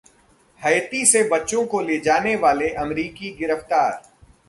Haiti से बच्चों को ले जाने वाले अमेरिकी गिरफ्तार